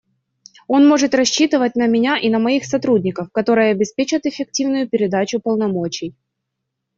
Он может рассчитывать на меня и на моих сотрудников, которые обеспечат эффективную передачу полномочий.